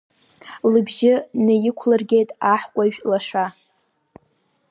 Лыбжьы неиқәлыргеит аҳкәажә лаша.